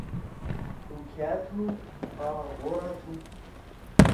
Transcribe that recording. تُو کھأ تُھو؟ آ غورا تُھو۔